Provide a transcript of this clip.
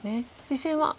実戦は。